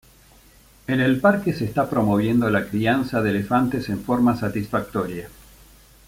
En el parque se está promoviendo la crianza de elefantes en forma satisfactoria.